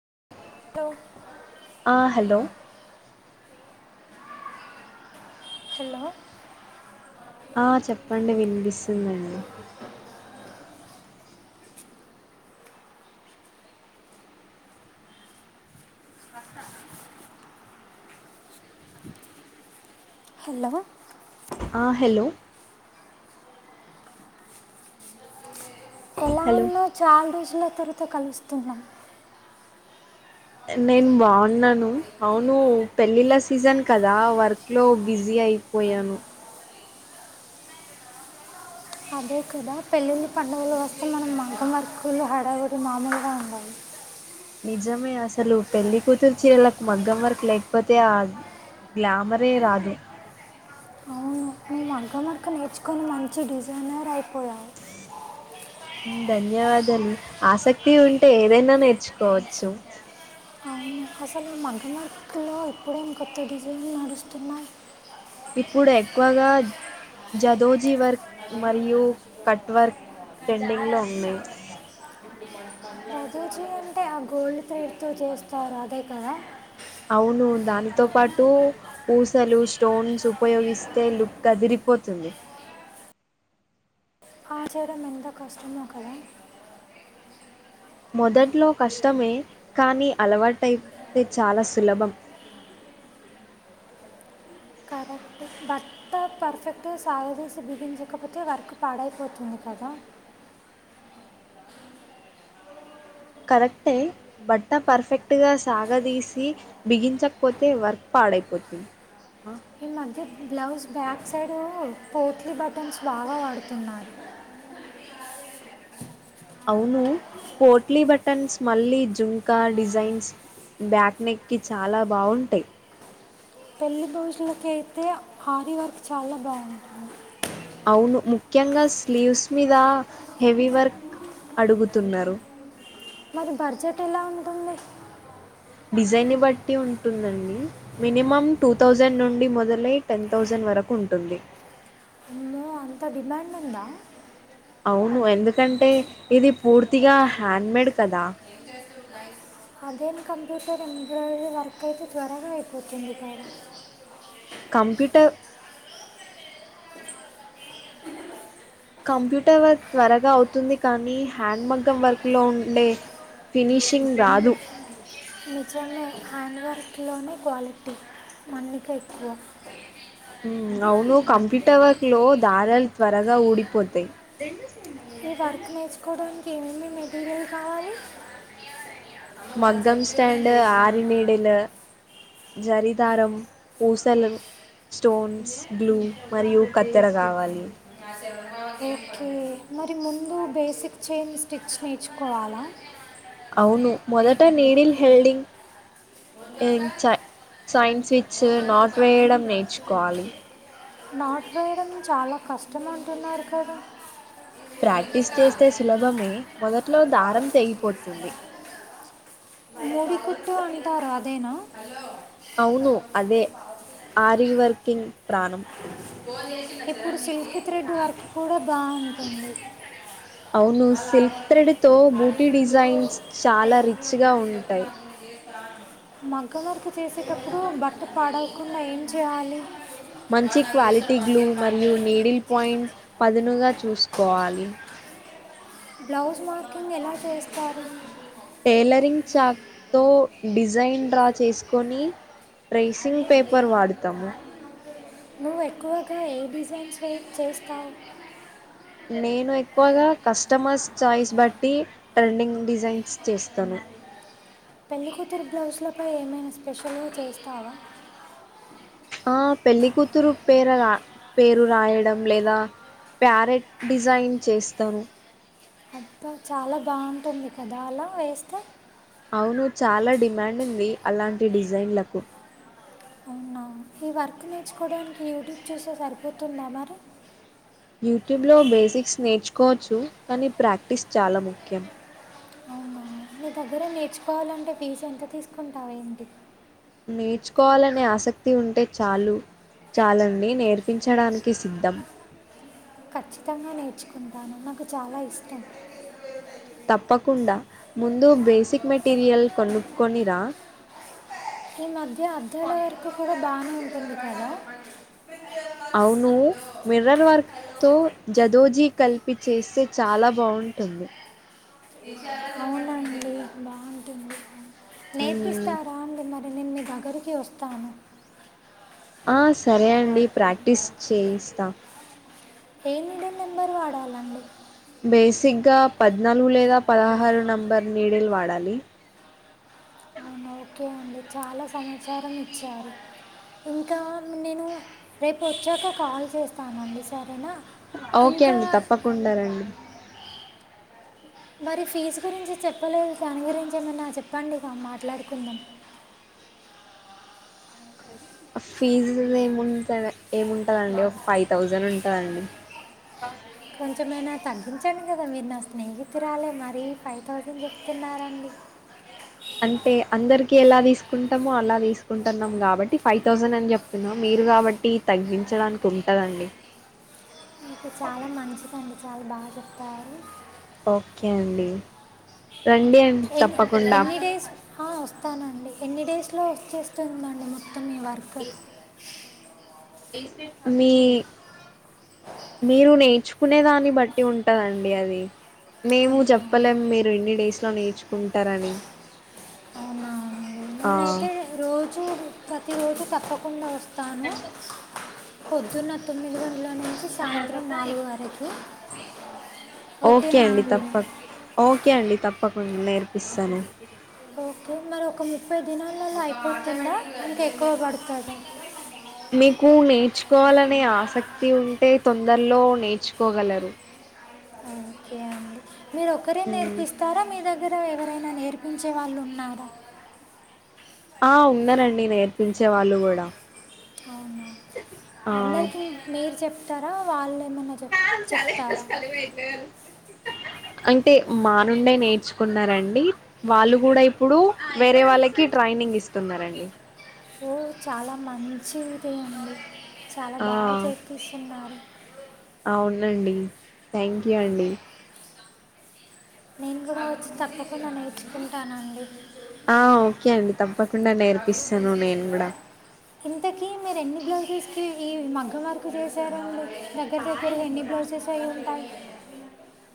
[unintelligible] ఆ hello hello ఆ చెప్పండి వినిపిస్తుంది అండి హలో ఆ హలో హలో లో చాలా రోజుల తరువాత కలుస్తున్నాం నేను బాగున్నాను అవును పెళ్లిళ్ల సీజన్ కదా వర్క్ లో బిజీ అయిపోయాను అదే కూడా పెళ్లిళ్లు పండుగలు వస్తే మనం మగమార్కులు హడావుడి మామూలుగా ఉండదు నిజమే అసలు పెళ్లి కూతురు చీరలకు మగ్గం వర్క్ లేకపోతే ఆ గ్లామరే రాదు అవు నువ్వు మగ్గం వర్క్ నేర్చుకొని మంచి డిజైనర్ అయిపోయావు ధన్యవాదాలు ఆసక్తి ఉంటే ఏదైనా నేర్చుకోవచ్చు అవును అసలు మగ్గం వర్క్ లో ఇప్పుడు ఏం కొత్త డిజైన్లు నడుస్తున్నాయి ఇప్పుడు ఎక్కువగా జదోజీ వర్క్ మరియు కట్ వర్క్ ట్రెండింగ్ లో ఉన్నాయి జాదోజి అంటే ఆ గోల్డ్ త్రెడ్ తో చేస్తారు అదే కదా అవును దానితో పాటు పూసలు స్టోన్స్ ఉపయోగిస్తే లుక్ అదిరి పోతుంది ఆ చేయడం ఎంతో కష్టమో కదా మొదట్లో కష్టమే కానీ అలవాటైతే చాలా సులభం ఆ బట్ట పర్ఫెక్ట్ గా సాగదీసి బిగించకపోతే వర్క్ పాడైపోతుంది కదా కరెక్టే బట్ట పర్ఫెక్ట్ గా సాగదీసి బిగించకపోతే వర్క్ ప పాడైపోతుంది ఆహా ఈ మధ్య బ్లౌజ్ బ్యాక్ సైడ్ పోట్లీ బటన్స్ బాగా వాడుతున్నారు అవును పోట్లీ బటన్స్ మళ్ళీ జుంకా డిజైన్స్ బ్యాక్ నెక్ కి చాలా బావుంటాయి పెళ్లి బ్లౌజులకు అయితే హారీ వర్క్ చాలా బాగుంటుంది అవును ముఖ్యంగా స్లీవ్స్ మీద హెవీ వర్క్ అడుగుతున్నారు మరి బడ్జెట్ ఎలా ఉంటుంది డిజైన్ బట్టి ఉంటుందండి మినిమం టూ థౌజండ్ నుండి మొదలై టెన్ థౌసండ్ వర వరకుంటుంది అమ్మో అంత డిమాండ్ ఉందా అవును ఎందుకంటే ఇది పూర్తిగా హ్యాండ్ మేడ్ కదా అదే ఎం కంప్యూటర్ ఎంబ్రాయిడరీ వర్క్ అయితే త్వరగా అయిపోతుంది కదా కంప్యూటర్ కంప్యూటర్ వర్క్ త్వరగా అవుతుంది కానీ హ్యాండ్ మగ్గం వర్క్ లో ఉండే ఫినిషింగ్ రాదు నిజమే హ్యాండ్వర్క్లోనే క్వాలిటీ మన్నికా ఎక్కువ ఉ అవును కంప్యూటర్ వర్క్ లో దారలు త్వరగా ఊడిపోతాయ్. ఈ వర్క్ నేర్చుకోవడానికి ఏమేమి మెటీరియల్ కావాలి. అమ్మ వాళ్ళు మగ్గం చెప్పారు నేను స్టాండు చేసిన అమ్మ ఆరినిడిలు జర్రి దారం పూసలు స్టోన్స్ బ్లూ మరియు కత్తెర కావాలి [inaudible] ఓకే మరి ముందు బేసిక్ చైన్ స్టిచ్ నేర్చుకోవాలా. అవును మొదట నిడిల్ హెల్డింగ్ వద్దక్క యెంగ్ చై చైన్స్ ఓ సిచ్చు మణికక్క నాట్ వేయడం నేర్చుకోవాలి. నాటు వేయడం చాలా కష్టం అంటున్నారు కదా. ప్రాక్టీస్ మణికక్క చేస్తే సులభమే మొదట్లో దారం తెగిపోతుంది మోవికుత్తూ అంటారు అదేనా అవును అదే ఆరివర్కింగ్ ప్రాణం ఇప్పుడు సిల్క్ థ్రెడ్ వర్క్ కూడా బాగుంటుంది. అవును వాళ్ళ సిల్క్ థ్రెడ్ తో బూటీ అడిగిండు డిజైన్స్ చాలా రిచ్గా ఉంటాయ్. మగ్గం వరకు చేసేటప్పుడు బట్ట పాడయికుండా ఏం చేయాలి. మంచి వాడు నాకు చేస్తాడు క్వాలిటీ వాడికి గ్లూ ఏం మరియు పర్లేదు నీడిల్ పాయింట్ పదునుగా చూసుకోవాలి. పాలి బ్లౌజ్ మార్కింగ్ ఎలా చేస్తారు టైలరింగ్ చాక్ తో డిజైన్ డ్రా చేసుకొని ప్రేసింగ్ పేపర్ వాడతాము నువ్వు ఎక్కువగా ఏ డిజైన్స్ చే చేస్తావ్ నేను ఎక్కువగా కస్టమర్స్ చాయిస్ బట్టి ట్రెండింగ్ డిజైన్స్ చేస్తాను. పెళ్ళికూతురు బ్లౌజ్లపై ఏమైనా స్పెషలు చేస్తావా. ఆ పెళ్లికూతురు పేరరా పేరు రాయడం లేదా ప్యారెట్ డిజైన్ చేస్తాను ంకా చాలా బాగుంటుంది కదా అలా వేస్తే అవును చాలా డిమాండ్ ఉంది అలాంటి డిజైన్లకు. అవునా ఈ వర్క్ నేర్చుకోవడానికి యూట్యూబ్ చూసే సరిపోతుందా మరి. యూట్యూబ్లో బేసిక్స్ నేర్చుకోవచ్చు కానీ ప్రాక్టీస్ చాలా ముఖ్యం. మీ దగ్గర నేర్చుకోవాలంటే ఫీజు ఎంత తీసుకుంటావ్ ఏంటి. నేర్చుకోవాలనే ఆసక్తి ఉంటే చాలు చాలండి నేర్పించడానికి సిద్ధం ఖచ్చితంగా నేర్చుకుంటాను నాకు చాలా ఇష్టం. తప్పకుండా ముందు బేసిక్ మెటీరియల్ కొనుక్కోనిరా. ఈ మధ్య అద్దాల వర్క్ కూడా బానే ఉంటుంది కదా. అవును మిర్రల్ వర్క్ తో జదోజీ కలిపి చేస్తే చాలా బాగున్ ఉంటుంది అవునండి బాగుంటుంది మ్మ్ నేర్పిస్తారా అండి మర్ నేను మీ దగ్గరికి వస్తాను ఆ సరే అండి ప్రాక్టీస్ చేయిస్తా [inaudible] ఏ నీడిల్ నెంబర్ వాడాలండి బేసిక్గా పద్నాలుగు లేదా హలో పదహారు నంబర్ నీడిల్ వాడాలి. అవునా ఓకే అండి చాలా సమాచారం ఇచ్చారు. ఇంకా నేను రేపు వచ్చాక కాల్ చేస్తానండి సరేనా. ఓకే ఇంకా అండి తప్పకుండా రండి మరి ఫీజు గురించి చెప్పలేదు దాని గురించి ఏమన్నా చెప్పండి ఇక మాట్లాడుకుందాం. [inaudible] ఆహ్ ఫీజు ఏముంట ఏముంటుందండి ఒక ఫైవ్ థౌజండ్ ఉంటుందండి. [unintelligible] కొంచెమైనా తగ్గించండి కదా మీరు నా స్నేహితురాలే మరీ ఫైవ్ థౌసండ్ చెప్తున్నారండి [inaudible] అంటే అందరికి ఎలా తీసుకుంటామో అలా తీసుకుంటున్నాం కాబట్టి ఫైవ్ థౌసండ్ అని చెప్తున్నా మ తీరు కాబట్టి తగ్గించడానికి ఉంటదండి [unintelligible] ఇకు చాలా మంచిదండి చాలా బాగా చెప్తారు ఓకే అండి రండి అండి ఎన్ని తప్పకుండా ఎన్ని డేస్ వస్తానండి ఎన్ని డేస్లో వచ్చేస్తుందండి మా తమి వర్క్ మీ మీరు న నచ్చుకునే దాన్ని బట్టి ఉంటందిండి అది మేము అవునా చెప్పలేం మీరు ఎన్ని డేస్ లో నేర్చుకుంటారని అవునా ఆ నేనైతే రోజు ప్రతి రోజు తప్పకుండా వస్తాను పొద్దున్న తొమ్మిది ఇలో నుంచి సాయంత్రం నాలుగు వరకు ఓకే అండి తప్ప ఓకే అండి తప్పకుండా నేర్పిస్తాను ఓకే మరి ఒక ముప్పై దినాలలో అయిపోతుందా ఇంకా ఎక్కువ పడుతుంది మీకు నేర్చుకోవాలనే ఆసక్తి ఉంటే తొ అందరిలో నేర్చుకోగలరు ఓకే అండి మీరు ఒకరే మ్ నేర్పిస్తారా మీ దగ్గర దగ్గర ఎవరైనా నేర్పించే వాళ్ళు ఉన్నారా ఆ ఉన్ననండి నేర్పించే వాళ్ళు కూడా అవునా ఆ అందరికి మీరు చెప్తారా వాళ్ళు ఏమైనా చెప్ హా చాల చెప్తారా చాల మయితే అంటే మా నుండే నేర్చుకున్నారంండి వాళ్ళు కూడా ఇప్పుడు వేరే వాళ్ళకి ట్రైన్ ంగ్ ఇస్తున్నారండి ఓ చాలా మంచిది చాలా ఆ బాగా చేపిస్తున్నారు అవునండి థ్యాంక్ యూ అండి నేను కూడా వచ్చి తప్పకుండా నేర్చుకుంటానండి ఆ ఓకే అండి తప్పకుండా నేర్పిస్తాను నేను కూడా బ్లౌజెస్ ఈ మగ్గ వరకు చేసారు దగ్గర దగ్గర ఎన్ని బ్లౌజెస్ అయి ఉంటాయి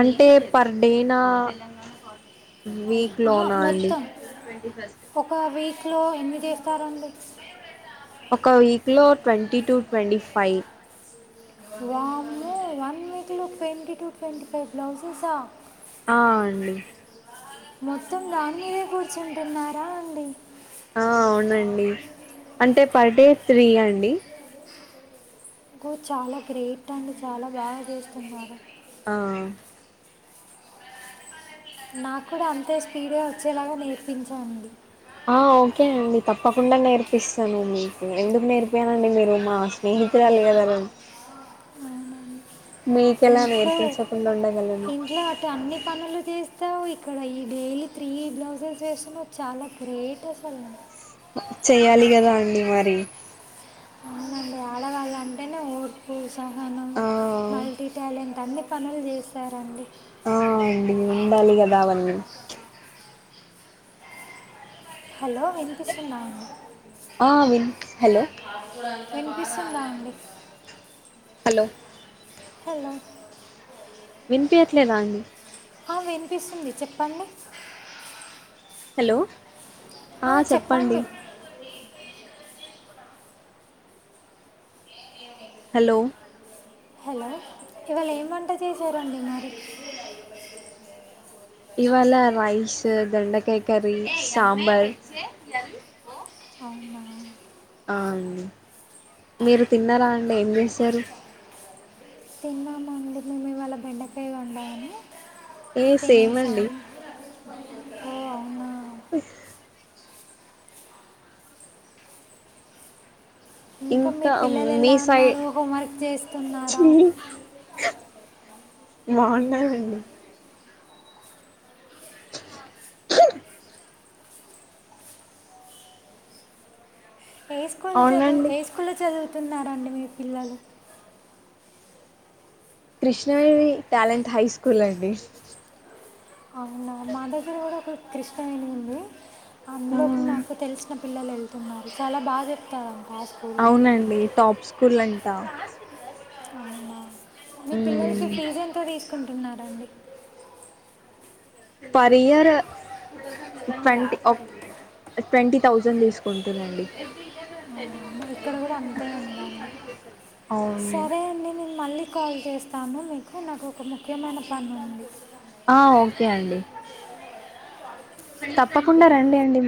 అంటే పర్ డే నా వీక్ ఆహా లోనా అండిన్ మొత్తం ట్వీ ఫస్ట్ లో ఎన్నిమిది ఇస్తారుడి ఒక వీక్ లో twenty two twenty five van one వీక్లో ట్వంటీ టు ట్వంటీ ఫైవ్ బ్లౌసెసా ఆ అండి మొత్తం రానివే కూర్చుంటున్నారా అండి ఆ అవునండి అంటే పర్ డే త్రీ అండి ఇంకో చాలా గ్రేట్ అండి చాలా బాగా చేస్తున్నారు ఆ నాకు కూడాూ అంతే స్పీడే వచ్చేలాగా నేర్పించంది ఆ ఓకే అండి తప్పకుండా నేర్పిస్తాను మీకు ఎందుకు నేర్పయానుండి మీరు మా స్నే త్రాల కదనడి ఆ ఇంట్లో నేర్పించకుండా ఉండగలను ఇంట్లో వాటి అన్ని పనులు చేస్త త్త ఇక్కడ ఈ డైలీ త్రీ బ్లౌజెస్ వేస్తున్నా చాలా గ్రేట్ అసలుం చెయ్యాలి కదా అండి మరి అవునండి ఆడవాళ్ళ అంటేనే ఓడ్పు సహనం ఆ మల్టీ టాలెంట్ అన్నీ పనులు చేశారండి. ఆ అండి, ఉండాలి కదా అవన్నీ. హలో వినిపిస్తుంద అండి అ విన్ హలో వినిపిస్తుందా అండి హలో హలో వినిపియట్లేదా అండి అ వినిపిస్తుంది చెప్పండి. ఆ చెప్పండి హలో హలో ఇవాళ ఏం వంట చేశారండి మరి. ఇవాళ రైస్, దొండకాయ కర్రీ, సాంబార్. అవునా ఆ అండి, మీరు తిన్నారా అండి ఏం చేశారు. తిన్నామండి. మేము ఇవాళ బెండకాయ వండాము ఏ సేమ్ తిన్నేసం అండి ఇంకా మీ పిల్లలు మీ ఎలా సైడ్ ఉన్నారు. హోంవర్క్ చేస్తున్నారా. అ బోన్నరండి ఆహా ఏ స్కూల్ చదువు అవునండి ఏ స్కూల్ లో చదువుతున్నారండి మీ పిల్లలు. కృష్ణవేణి టాలెంట్ హై స్కూల్ అండి. అవునా మా దగ్గర కూడా ఒక కృష్ణ వేణి ఉంది. అందులోకి మాకు తెలిసిన పిల్ పిల్లలు వెళ్తున్నారు చాలా బాగా చెప్తార్ అవునండి టాప్ స్కూల్ అంట. అవునా మీ పిల్లలకి ఫీజు ఎంతో తీసుకుంటున్నాండి. పర్ ఇయర్ ట్వంటీ ఓక్ ట్వంటీ థౌజండ్ తీసుకుంటునండి. ఇక్కడ కూడా అంతే ఉందండి. అవును సరే అండి నేను మళ్ళీ కాల్ చేస్తాను మీకు నాకు ఒక ముఖ్యమైన పనుంది. ఆ ఓకే అండి అ తప్పకుండా రండి అండి మర్